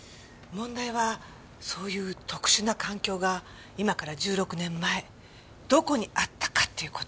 問題はそういう特殊な環境が今から１６年前どこにあったかっていう事よ。